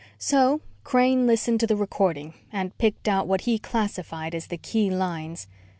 So Crane listened to the recording and picked out what he classified as the key lines.